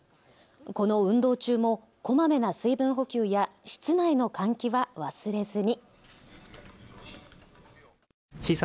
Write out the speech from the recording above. この運動中もこまめな水分補給や室内の換気は忘れずに。